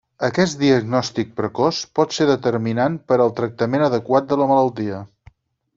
Aquest diagnòstic precoç pot ser determinant per al tractament adequat de la malaltia.